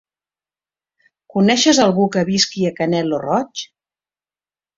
Coneixes algú que visqui a Canet lo Roig?